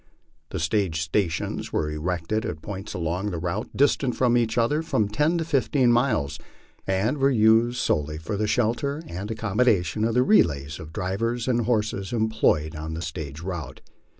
The stage stations were erected at points along the route distant from each other from ten to fifteen miles, and were used sole ly for the shelter and accommodation of the relays of drivers and horses em ployed on the stage route.